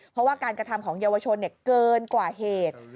เพราะว่าการกระทำของเยาวชนเกินกว่าเหตุ